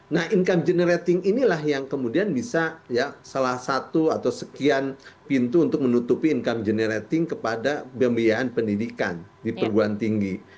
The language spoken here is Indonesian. nah income generating inilah yang kemudian bisa ya salah satu atau sekian pintu untuk menutupi income generating kepada pembiayaan pendidikan di perguruan tinggi